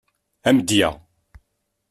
Amedya.